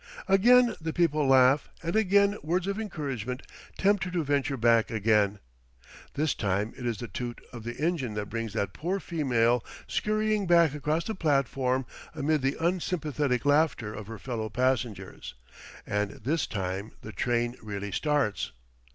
Again the people laugh, and again words of encouragement tempt her to venture back again. This time it is the toot of the engine that brings that poor female scurrying back across the platform amid the unsympathetic laughter of her fellow passengers, and this time the train really starts.